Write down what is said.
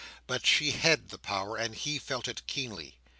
But she had the power, and he felt it keenly.